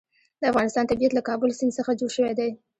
د افغانستان طبیعت له د کابل سیند څخه جوړ شوی دی.